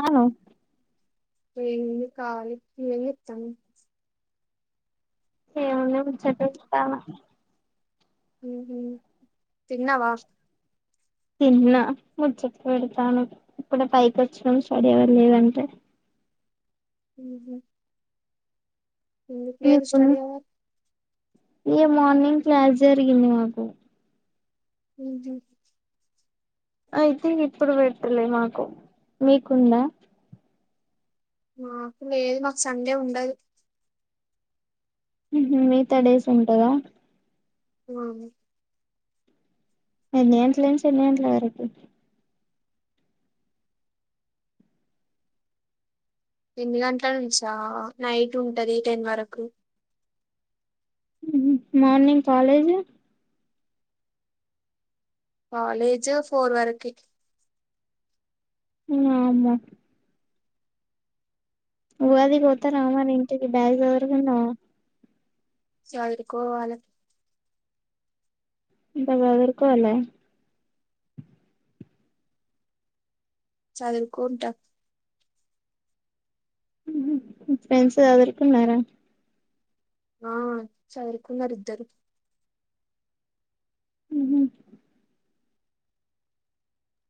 అవును ఏముంది కాలి నువ్వేం చేత్తనవ్ ఏముంది ముచ్చట్టేత్తన మ్ హు తిన్నవా తిన్నా ముచ్చట పెడుతాన్నాం ఇప్పుడె పైకొచ్చినం స్టడీ అవర్లేదంటే మ్ హు ఎందుకు లేదు స్టడీ అవర్ ఇగ మార్నింగ్ క్లాస్ జరిగింది మాకు మ్ హు అయితే ఇప్పుడు పెట్టలే మాకు మీకుందా మాకు లేదు మాకు సండే ఉండదు ఉంహు మిగతా డేస్ ఉంటాదా [unintelligible] ఎన్నీ గంట్ల నుంచి ఎన్ని గంట్ల వరకు ఎన్ని గంట్ల నుంచా నైట్ ఉంటది టెన్ వరకు మార్నింగ్ కాలేజ్ కాాలేజ్ ఫోర్ వరకి వామ్మో ఊగాదికి పోతారా మరి ఇంటికి బాగ్ సదురుకునవ సదుర్కోవాలె ఇంకా సాధుర్కోలె సదురుకుంటా మీ ఫెండ్స్ సదుర్కున్నరా ఆ చదురుకున్నారు ఇద్దరు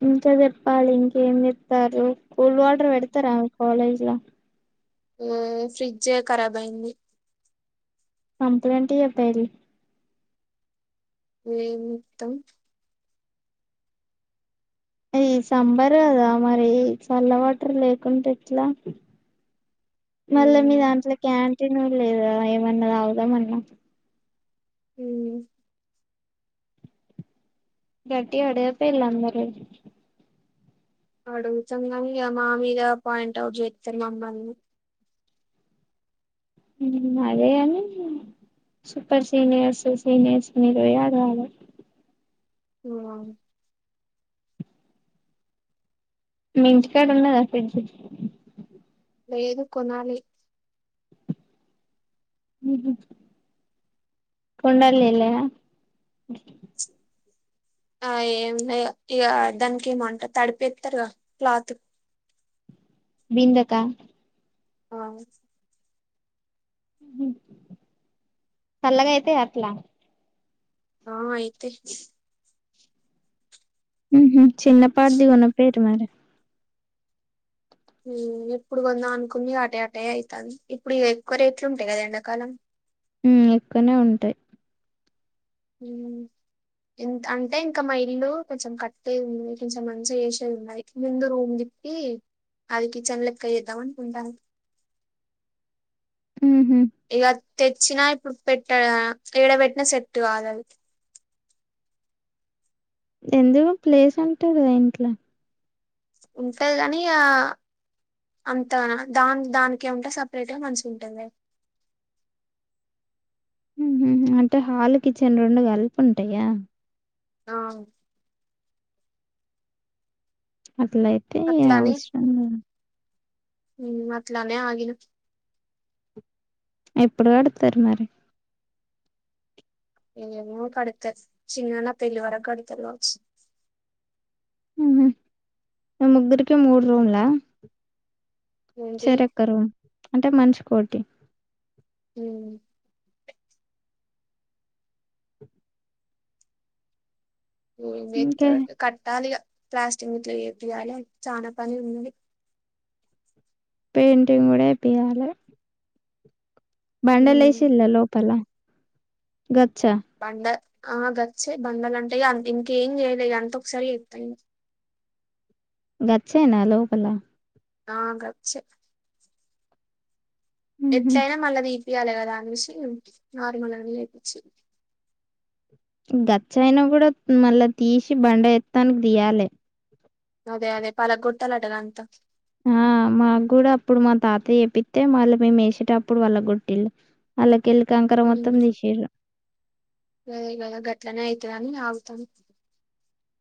ఇంకా చెప్పాలి ఇంకేంజేత్తర్రు కూల్ వాటర్ పెడతారా మీ కాలేజ్ ల ఎ ఫ్రిడ్జె కరాబ్ అయింది కంప్లైంట్ ఇయ్యపెల్ల్ ఎం ఇత్తమ్ అది సంబర్ గదా మరి చల్ల వాటర్ లేకుంటే ఎట్లా మళ్ళా మీ ఉమ్ దాంట్ల క్యాంటీన్ను కూడా లేదు కదా ఏమన్నా తగుదామన్నా ఉమ్ గట్టిగా అడగా పొయ్యిల్లు అందరూ అడుగుతంగని ఇగ మా మీద పాయింట్ అవుట్ జెత్తర్ మమ్మల్ని ఉమ్ అదే గానీ సూపర్ సీనియర్స్ సీనియర్స మీరు పోయి అడగాలే [unintelligible] మీ ఇంటికాడ ఉన్నాదా ఫ్రిడ్జ్ లేదు కొనాలి ఉహ్మ్ కుండల్నిల్లేన ఆ ఏం ఇగ దానికి ఏమొంటా తడిపేత్తరుగ క్లాత్ బిందక ఆ సల్లగా ఐతైయా అట్లా ఆ అయితై ఉహ్మ్ చిన్నపాటిది కొనపోయిరు మరీ ఉమ్ ఎప్పుడు కొందాం అనుకున ఇగ అటే అటే ఐతాంది ఇప్పుడు ఇగ ఎక్కువ రేట్లు ఉంటాయి కదా ఎండాకాలం ఉమ్ ఎక్కువనే ఉంటాయి ఉమ్ అంటే ఇంకా మా ఇల్లు కొంచెం కట్టేది ఉంది కొంచం మంచిగా చేసేది ఉన్నాది ముందు రూమ్ కి అది కిచెన్ లెక్క చేద్దాం అనుకుంట ఇగ తెచ్చినా ఇప్పుడు పెట్ట ఏడ పెట్టినా సెట్ కాదు అది ఎందుకు ప్లేస్ ఉంటది కదా ఇంట్ల ఉంటాది గని ఇగ అంతగణ దాన్ దానికే ఉంటే సపరేట్ గా మంచిగుంటదే ఊహ్హమ్ అంటే హాలు కిచెన్ రెండు కలిపి ఉంటాయా ఆ అట్లయితే ఇగ అవసరం ఉహ్మ్ అట్లనేే అగిన ఎప్పుడు కడుతారు మరి ఏమొ కడుతర్ చిన్నన్న పెళ్లివరక్ కడుతరూ కవచ్చ మ్ హు మీ ముగ్గురికి మూడు రూమ్ల ఏంటి చెరోక్కరుమ్ అంటే మనిషి కోటి మ్ ఇంకే కట్టాలిగా ప్లాస్టింగ్ గిట్ల చేపియ్యాలే చానా పని ఉంది పెయింటింగూడ ఏపియాలే ఉమ్ బండలేషిల్ల లోపల గచ్చ బండ ఆ గచ్చే బండాలంటే ఇగ అ ఇంకేం చేయలే అంత ఒకసారి చెత్త గచ్చేనా లోపలా ఆ గచ్చే ఉహు ఎట్లైనా మళ్ళ ది తీయలే కదానేసి నార్మల్ గానె లేపిచ్చినం గచైన గూడా మళ్ళా తీసి బండేత్తానికి తీయాలె అదే అదే పాలగొట్టాలంట కదా అంతా ఆ మాగూడా అప్పుడు మా తాత చేపితే మల్ల మేమేసేటప్పుడు పలగొట్టిలు అల్లాకెళ్లి మ్ గదే గదే గట్లనే అయితదని ఆగు తం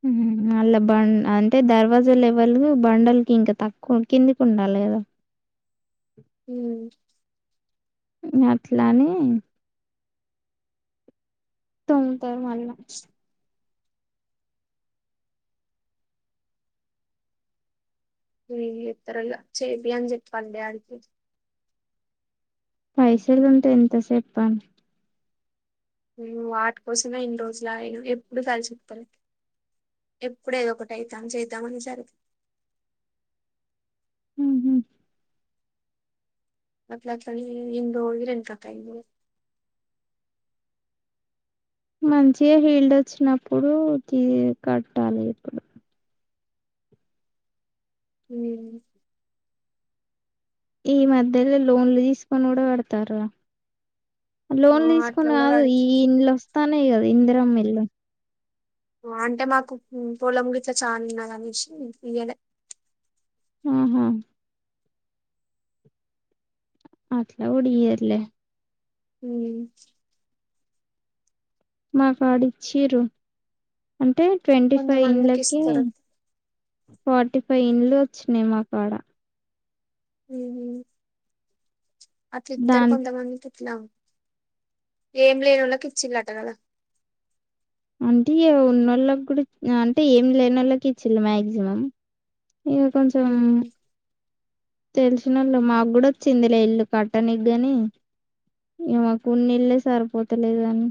మ్ మల్ల బం అంటే దర్వాజ లెవల్ బండలకి ఇంకా తక్కువ కిందికుండాలి కదా మ్ అట్లనీ తొంతర్ మళ్ళా ఏమ్ చెత్తరో ఇగ చేపియనీ చెప్పాల్ డాడీ పైసలుంటే ఎంతసేపనీ వాటి కోసమే ఇన్ని రోజులు ఆగినం ఎప్పుడు కలిసొత్తలే ఎప్పుడేదోకటైతాంది చేద్దామనేసర్కి మ్ హు అట్లట్లనే ఇన్ని రోజులు ఎనుకయ్యింది ఇగ మంచిగా హీల్దోచినప్పుడూ కి కట్టాలిప్పుడు మ్ ఈ మధ్యల లోన్లు తీసుకొని గుడా కడుతర్రుగా ఆ లోన్లు అట్లా తీసుకొని కూడా కాదు ఈ కడుతుంది ఇండ్లోస్తాన్నయి కదా ఇంద్రమ్మిండ్లు మ్ అంటే మాకు పొలం గిట్ల చానున్నదనేశి ఇయ్యలే ఆహా అట్ల గుడియ్యారు లే మ్ మాకడిచిర్రు అంటే ట్వంటీ ఫైవ్ కొంతమందికి ఇంన్లకి ఇస్తారు ఫార్టీ ఫైవ్ ఇండ్లోచ్చినయ్ మా కాడ మ్ హు అట్లిత్తరు దాన్ కొంత మందికి ట్ల ఎం లేనోల్లకిచ్చిరంట కదా అంటే ఇగ ఉన్నోళ్ళకుడా ఇ అంటే ఏం లేనోళ్ళకిచ్చిళ్ళు మాక్సిమం ఇగ కొంచం తెలిసినోళ్ళు మాగ్గుడోచ్చిందిలే ఇల్లు కట్టనీగని ఇగ మాకున్న ఇళ్లే సరిపోతలేదు కాని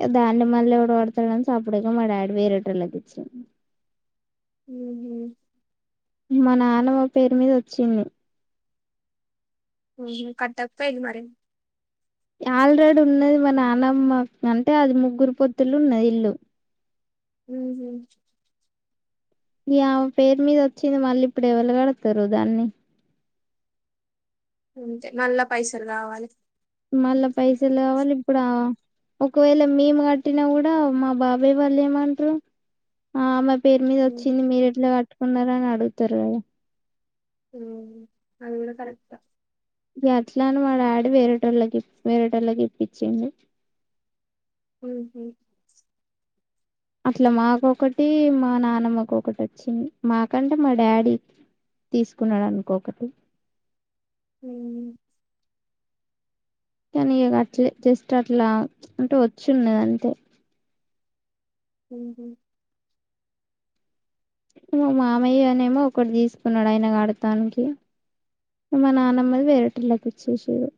ఇగ దాన్ని మల్లెవడు కడుతడని సప్పుడేక మా డాడీ వేరేటోల్లకిచ్చిండు మ్ హు మా నాన్నమ్మ పేరు మీదొచ్చింది ఉంహు కట్టకపోయిర్రు మరి ఆల్రెడీ ఉన్నది మా నాన్నమ్మ అంటే అది ముగ్గురు పొత్తులున్నది ఇల్లు ఉంహు ఇగా ఆమె పేరు మీదోచ్చింది మళ్ళీ ఇప్పుడు ఎవలు గడ్తరు దాన్ని అంతే మళ్ళ పైసలు కావాలే మళ్ళ పైసలు కావాలి ఇప్పుడా ఒకవేళ మేము గట్టినా గూడా మా బాబాయ్ వాళ్ళు ఏమంట్రు ఆమెక్ పేరు మీద ఉమ్హు, ఒచ్చింది మీరు ఎట్లా కట్టుకున్నారని అడుగుతరో మ్ అది కూడా కరెక్టే గట్లనే మా డాడీ వేరేటోళ్ళకి వేరేటోళ్ళకి ఇప్పించిండు ఉహు అట్లా మాకొకటి మా నానమ్మకొకటి ఒచ్చింది మాకంటే మా డాడీ తీసుకున్నాడునుకో ఒకటి హా కానీ అట్లే జస్ట్ అట్లా అంటే వొచ్చున్నదంతే ఉహు మా మామయ్య నేమో ఒకటి దీస్కున్నాడు ఆయన కడ్తానికి మా నానమ్మది వేరేటోళ్ళకీచ్చేసిర్రు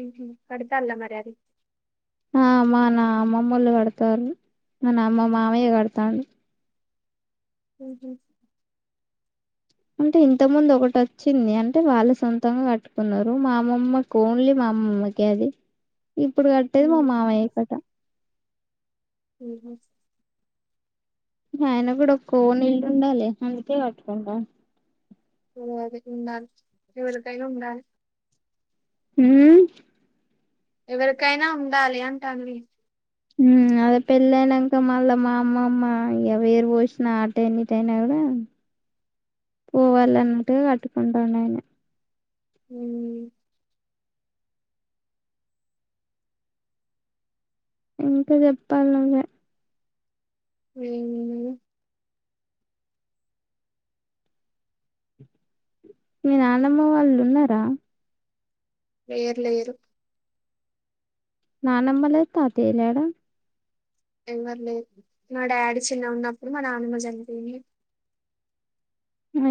ఉహు కడతాళ్ళ మర్యాద ఆమ్ మా నా అమ్మమ్మ ఒళ్ళు కడతార్రు మనా మమామయ్య కర్తాండు ఉహు అంటే ఇంత ముందు ఒకటోచ్చింది అంటే వాళ్ళు సొంతంగా కట్టుకున్నారు మా అమ్మమ్మకు ఓన్లీ మా అమ్మమ్మకే అది ఇప్పుడు కట్టేది మా మావయ్య కట ఉహు మాయన గూడా ఓన్ ఇల్లుండాలే అందుకే కట్టుకుండు ఉండాలి ఉండాలి ఎవరికైనా ఉండాలి హుమ్ ఎవరికైనా ఉండాలి అంటాన్న మ్ అదే పెళ్లి అయినాక మళ్ళా మా అమ్మమ్మ ఇగ వేరు వోసిన అటైనా ఇటైనా గూడా పోవాలన్నట్ కట్టుకుంటున్నాము ఉహు ఇంకా జెప్పాలి నువే ఏమున్నది మీ నాన్నమ్మ వాళ్ళు ఉన్నరా లేరు లేరు నానమ్మ లేద్ తాతయ్య లేడా ఎవ్వరు లేర్ మా డాడీ చిన్నగా ఉన్నప్పుడు మా నానమ్మ చనిపోయింది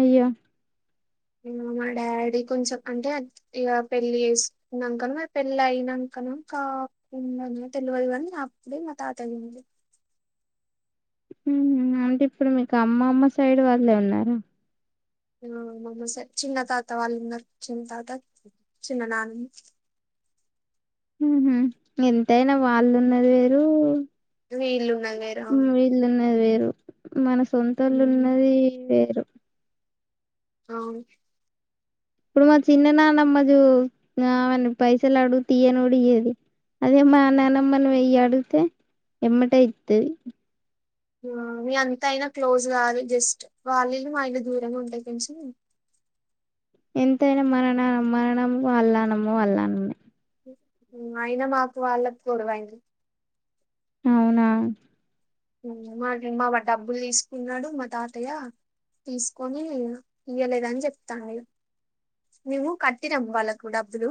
అయ్యా మ్ మా డాడీ కొంచెం అంటే ఇగ పెళ్లిచేస్కున్నంకనో పెళ్ళి అయినంక్ పక్కన కాకుండనే తెలువదు కానీ అప్పుడే మా తాత చనిపోయిండు అంటే ఇప్పుడు మీకు అమ్మమ్మ సైడ్ వాళ్ళే ఉన్నరా ఆ మనసే చిన్న తాత వాళ్ళు ఉన్నరు చిన్న తాత చిన్న నానమ్మ ఉహు ఎంతైనా వాళ్ళు ఉన్నది వేరు వీళ్ళు వీళ్ళున్నది వేరు మన ఉమ్, సొంతోళ్లున్నది వేరు అవును ఇప్పుడు మా చిన్న నాన్నమ్మ జే ఆమెన్ పైసలుడుతే ఇయ్యను గూడా ఇయ్యది అదే మా నానమ్మని వెయ్యి అడిగితే ఎమ్మటే ఇత్తది మీ అంత ఐనా క్లోజ్ గాదు జస్ట్ వాళ్లిళ్లు మా ఇల్లు దూరమే ఉంటది కొంచెం ఎంతైనా మన నానమ్మ మన నానమ్మే వాళ్ళ నానమ్మ వాళ్ళ నానమ్మేనే అయినా మాకు వాళ్ళకు గొడవైంది అవునా మాకు మాగ డబ్బులు దీస్కున్నాడు మా తాతయ్య తీస్కోని ఇయ్యలేదనీ చెప్తాంది ఇగా మేమూ కట్టినం వాళ్ళకు డబ్బులు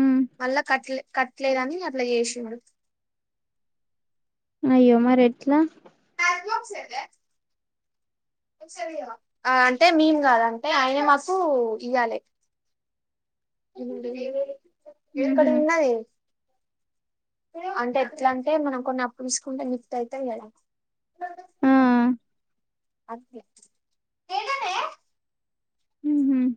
ఉమ్ మళ్ళా కట్లే కట్లేదని అట్లా ఏశిండు అయ్యో మారెట్లా మ్యాచ్బాక్స్ ఏదే అంటే మింగాదంటే ఆయనే మాకు ఇయ్యాలే ఉహు ఇక్కడున్నదీ అంటే ఎట్లంటే మనం కొన్ని అప్పు తీస్కుంటే మిత్తైతది కదా ఆ అట్ల ఉహ్మ్